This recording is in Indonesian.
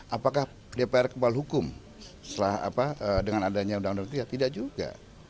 apakah dpr kepala hukum dengan adanya undang undang md tiga tidak juga